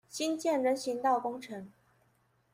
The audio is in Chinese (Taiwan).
新建人行道工程